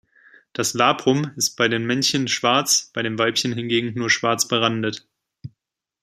Das Labrum ist bei den Männchen schwarz bei den Weibchen hingegen nur schwarz berandet.